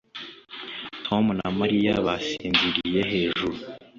Tom na Mariya basinziriye hejuru